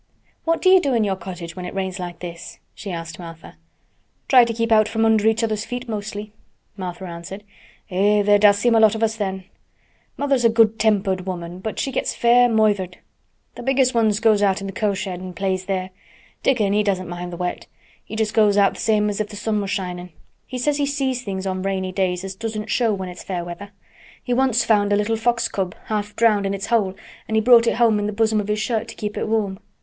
"What do you do in your cottage when it rains like this?" she asked Martha. "Try to keep from under each other's feet mostly," Martha answered. "Eh! there does seem a lot of us then. Mother's a good tempered woman but she gets fair moithered. The biggest ones goes out in th' cow shed and plays there. Dickon he doesn't mind th' wet. He goes out just th' same as if th' sun was shinin'. He says he sees things on rainy days as doesn't show when it's fair weather. He once found a little fox cub half drowned in its hole and he brought it home in th' bosom of his shirt to keep it warm.